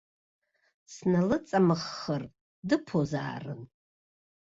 Сналыҵамххыр дыԥозаарын.